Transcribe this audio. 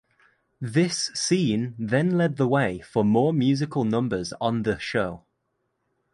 This scene then led the way for more musical numbers on the show.